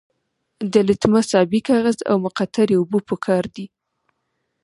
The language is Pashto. د لتمس ابي کاغذ او مقطرې اوبه پکار دي.